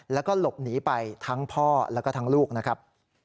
แล้วก็หลบหนีไปทั้งพ่อแล้วก็ทั้งลูกนะครับ